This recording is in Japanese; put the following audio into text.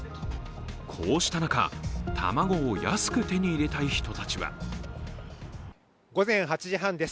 こうした中、卵を安く手に入れたい人たちは午前８時半です。